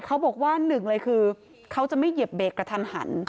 เขาบอกว่าหนึ่งเลยคือเขาจะไม่เหยียบเบรกกระทันหัน